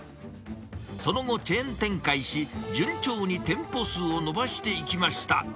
その後、チェーン展開し、順調に店舗数を伸ばしていきました。